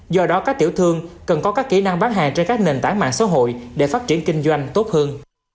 do đó các tiểu thương cần có các kỹ năng bán hàng trên các nền tảng mạng xã hội để phát triển kinh doanh tốt hơn